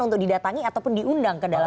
untuk didatangi ataupun diundang ke dalam